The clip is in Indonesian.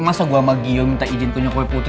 masa gue sama gio minta izin ke nyokapnya putri